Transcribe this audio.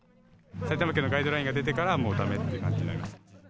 埼玉県のガイドラインが出てから、もうだめって感じになりました。